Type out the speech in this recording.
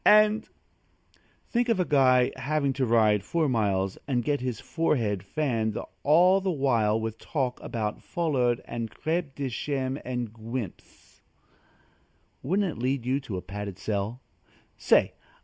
and " Think of a guy having to ride four miles and get his forehead fanned all the while with talk about foulard and crêpe de chine and guimpes! Wouldn't it lead you to a padded cell? Say!